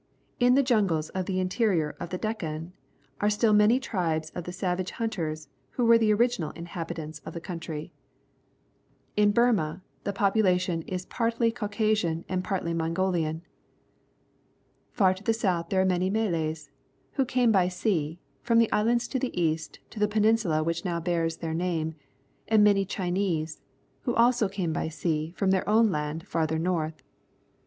In the jungles of the interior of the Deccan are still many tribes of the savage hunters who were the original inhabitants of the country. In Burma the population is partly Caucasian and partly Alongolian. Farther south, there are many Malays, who came by sea, from islands to the east, to the peninsula which now bears their name, and many Chinese, who also came bj sea from their own land farther north.